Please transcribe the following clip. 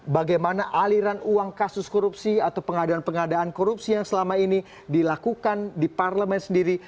bagaimana aliran uang kasus korupsi atau pengadaan pengadaan korupsi yang selama ini dilakukan di parlemen sendiri